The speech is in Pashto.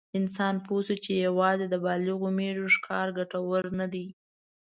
انسان پوه شو چې یواځې د بالغو مېږو ښکار ګټور نه دی.